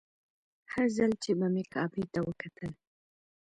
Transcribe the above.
هر ځل چې به مې کعبې ته وکتل.